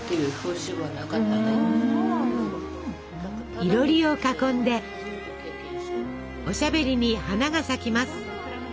いろりを囲んでおしゃべりに花が咲きます。